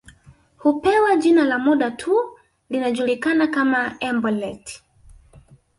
Hupewa jina la muda tu linajulikana kama embolet